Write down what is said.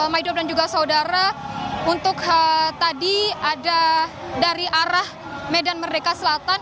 maido dan juga saudara untuk tadi ada dari arah medan merdeka selatan